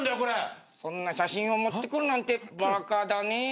「そんな写真を持ってくるなんてバカだね」